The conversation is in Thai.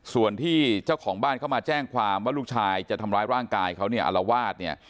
ส่วนที่เจ้าของบ้านเข้ามาแจ้งความว่าลูกชายจะทำร้ายร่างกายเขาเนี่ยอารวาสเนี่ย